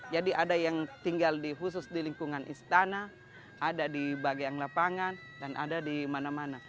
jadi ada yang tinggal khusus di lingkungan istana ada di bagian lapangan dan ada di mana mana